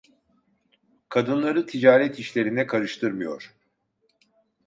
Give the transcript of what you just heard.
Kadınları ticaret işlerine karıştırmıyor!